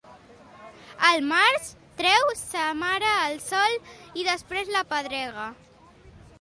El març treu sa mare al sol i després l'apedrega.